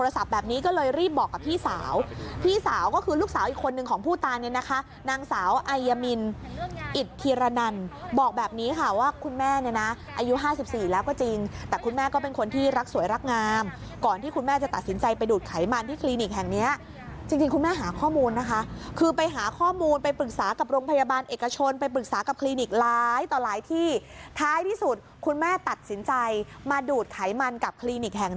บอกแบบนี้ค่ะว่าคุณแม่เนี่ยนะอายุ๕๔แล้วก็จริงแต่คุณแม่ก็เป็นคนที่รักสวยรักงามก่อนที่คุณแม่จะตัดสินใจไปดูดไขมันที่คลินิกแห่งเนี้ยจริงคุณแม่หาข้อมูลนะคะคือไปหาข้อมูลไปปรึกษากับโรงพยาบาลเอกชนไปปรึกษากับคลินิกหลายต่อหลายที่ท้ายที่สุดคุณแม่ตัดสินใจมาดูดไขมัน